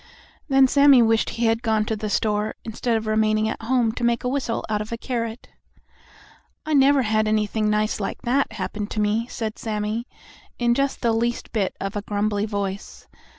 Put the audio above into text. Then Sammie wished he had gone to the store, instead of remaining at home to make a whistle out of a carrot. "I never had anything nice like that happen to me," said Sammie, in just the least bit of a grumbly voice.